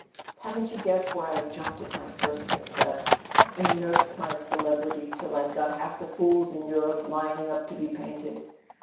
Haven't you guessed why I jumped at my first success, and nursed my celebrity till I'd got half the fools in Europe lining up to be painted?"